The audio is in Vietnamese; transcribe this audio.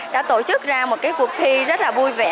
đã tổ chức ra một cái cuộc thi rất là vui vẻ